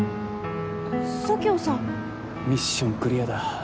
佐京さんミッションクリアだ